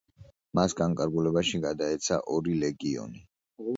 მას განკარგულებაში გადაეცა ორი ლეგიონი.